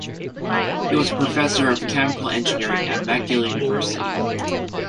He was a professor of Chemical Engineering at McGill University.